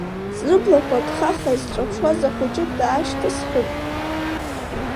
Зыблақәа ҭхаха исҿаԥшуаз ахәыҷы даашьҭысхын…